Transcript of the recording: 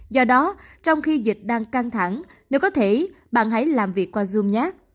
do đó trong khi dịch đang căng thẳng nếu có thể bạn hãy làm việc qua zoom nhé